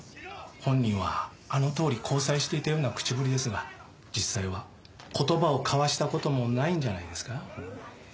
本人はあのとおり交際していたような口ぶりですが実際は言葉を交わした事もないんじゃないですか？